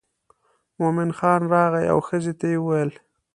مومن خان راغی او ښځې ته یې وویل.